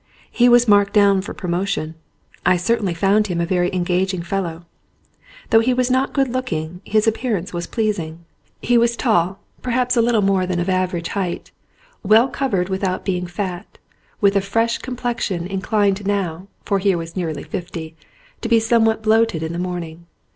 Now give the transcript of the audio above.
He was marked down for promotion. I certainly found him a very engaging fellow. Though he was not good looking his appearance was pleasing; 174 THE NORMAL MAN he was tall, perhaps a little more than of average height, well covered without being fat, with a fresh complexion inclined now (for he was nearly fifty) to be somewhat bloated in the morning.